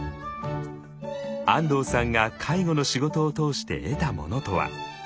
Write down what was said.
安藤さんが介護の仕事を通して得たものとは？